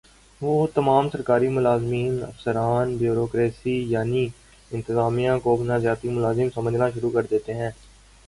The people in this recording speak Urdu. وہ تمام سرکاری ملازمین افسران بیورو کریسی یعنی انتظامیہ کو اپنا ذاتی ملازم سمجھنا شروع کر دیتے ہیں ۔